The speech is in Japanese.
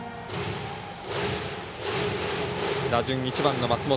打順１番の松本。